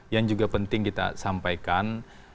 yang juga penting kita sampaikan